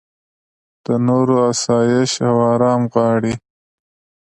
د نورو اسایش او ارام غواړې.